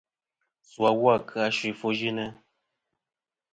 Su awu a kɨ-a ɨ suy ɨfwoyɨnɨ.